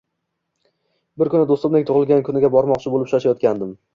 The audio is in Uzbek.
bir kuni do’stimning tug’ilgan kuniga bormoqchi bo’lib shoshayotgandim